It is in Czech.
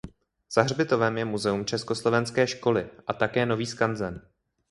Za hřbitovem je muzeum československé školy a také nový skanzen.